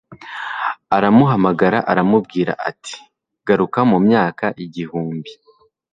Aramuhamagara aramubwira ati Garuka mu myaka igihumbi